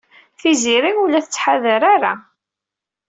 Tiziri ur la tettḥadar ara.